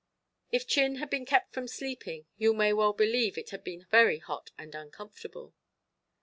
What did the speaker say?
If Chin had been kept from sleeping, you may well believe it had been very hot and uncomfortable.